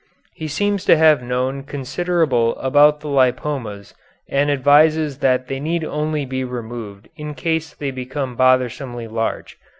He seems to have known considerable about the lipomas and advises that they need only be removed in case they become bothersomely large.